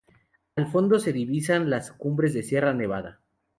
Al fondo se divisan las cumbres de Sierra Nevada.